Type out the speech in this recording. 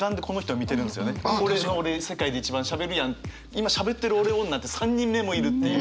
今しゃべってる俺おるなって３人目もいるっていう。